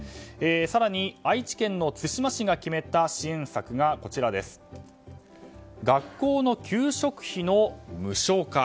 更に、愛知県津島市が決めた支援策が学校の給食費の無償化。